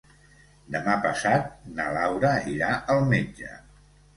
Demà passat na Laura irà al metge.